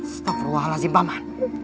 setafurwa halazim baman